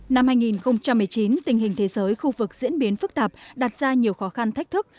năm hai nghìn một mươi chín tình hình thế giới khu vực diễn biến phức tạp đặt ra nhiều khó khăn thách thức